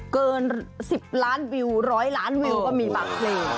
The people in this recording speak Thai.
เกิน๑๐ล้านวิว๑๐๐ล้านวิวก็มีบางเพลง